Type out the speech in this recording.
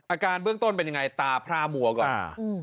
อาการเบื้องต้นเป็นยังไงตาพร่ามัวก่อน